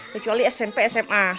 kecuali smp sma